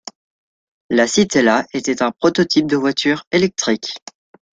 La Citella était un prototype de voiture électrique.